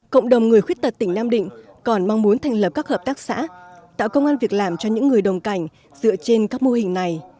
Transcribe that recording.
cộng đồng người khuyết tật tỉnh nam định còn mong muốn thành lập các hợp tác xã tạo công an việc làm cho những người đồng cảnh dựa trên các mô hình này